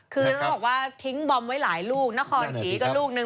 คือต้องบอกว่าทิ้งบอมไว้หลายลูกนครศรีก็ลูกนึง